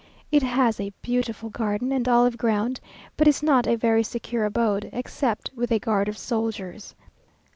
It has a beautiful garden and olive ground, but is not a very secure abode, except with a guard of soldiers.